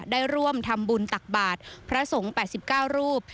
ได้ร่วมทำบุญตักบาทพระสงฆ์๘๙รูป